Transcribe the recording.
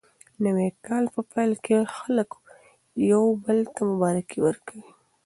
د نوي کال په پیل کې خلک یو بل ته مبارکي ورکوي.